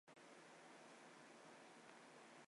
于尔费尔德是德国巴伐利亚州的一个市镇。